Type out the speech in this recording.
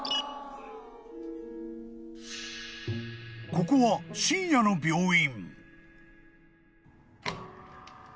［ここは深夜の病院］